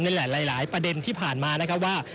หลายประเด็นที่ผ่านมานะครับว่า